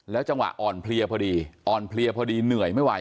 จังหวะอ่อนเพลียพอดีอ่อนเพลียพอดีเหนื่อยไม่ไหว